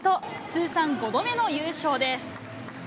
通算５度目の優勝です。